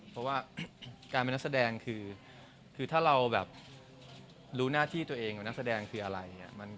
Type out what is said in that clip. เพราะว่าการเป็นนักแสดงคือถ้าเราแบบรู้หน้าที่ตัวเองว่านักแสดงคืออะไร